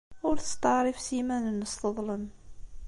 Ur testeɛṛif s yiman-nnes teḍlem.